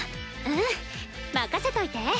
うん任せといて。